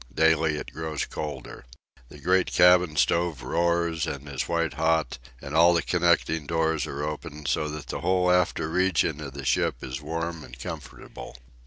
Daily it grows colder. The great cabin stove roars and is white hot, and all the connecting doors are open, so that the whole after region of the ship is warm and comfortable.